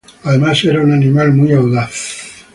Además era un animal muy audaz.